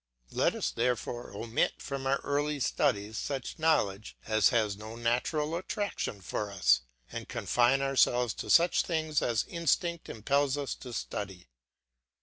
Let us therefore omit from our early studies such knowledge as has no natural attraction for us, and confine ourselves to such things as instinct impels us to study.